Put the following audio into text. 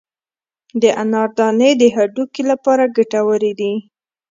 د انار دانې د هډوکو لپاره ګټورې دي.